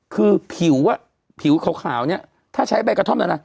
คือผิวะผิวขาวเนี้ยถ้าใช้ใบกษรธรมนี่นะ